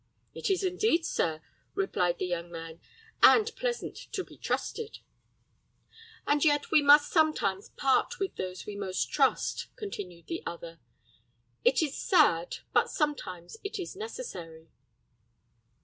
"It is indeed, sir," replied the young man; "and pleasant to be trusted." "And yet we must sometimes part with those we most trust," continued the other. "It is sad, but sometimes it is necessary."